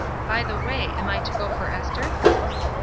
By the way, am I to go for Esther?